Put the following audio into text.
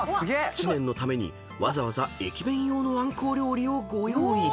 知念のためにわざわざ駅弁用のアンコウ料理をご用意］